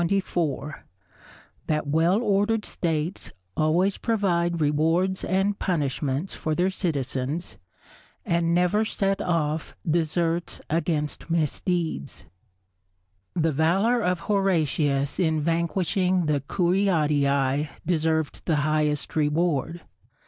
—_That well ordered States always provide Rewards and Punishments for their Citizens; and never set off Deserts against Misdeeds_. The valour of Horatius in vanquishing the Curiatii deserved the highest reward.